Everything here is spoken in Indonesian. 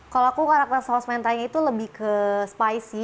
kalau aku karakter saus mentanya itu lebih ke spicy